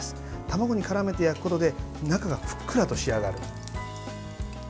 卵にからめて焼くことで中がふっくらと仕上がる。